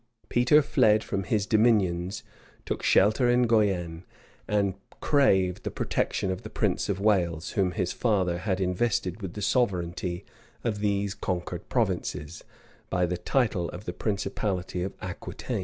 [] Peter fled from his dominions took shelter in Guienne, and craved the protection of the prince of Wales, whom his father had invested with the sovereignty of these conquered provinces, by the title of the principality of Aquitaine.